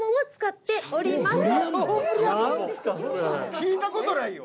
聞いたことないよ。